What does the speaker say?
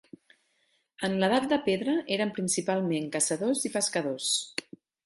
En l'Edat de Pedra, eren principalment caçadors i pescadors.